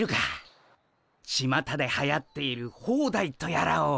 ちまたではやっているホーダイとやらを。